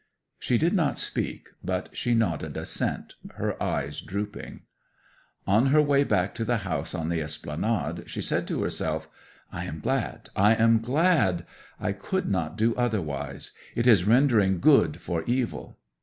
'She did not speak. But she nodded assent, her eyes drooping. 'On her way back to the house on the Esplanade she said to herself, "I am glad, I am glad! I could not do otherwise. It is rendering good for evil!"